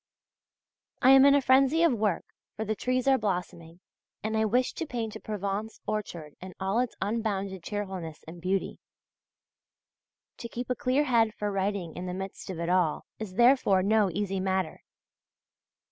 I am in a frenzy of work, for the trees are blossoming, and I wished to paint a Provence orchard in all its unbounded cheerfulness and beauty. To keep a clear head for writing in the midst of it all, is therefore no easy matter.